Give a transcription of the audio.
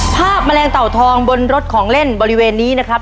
แมลงเต่าทองบนรถของเล่นบริเวณนี้นะครับ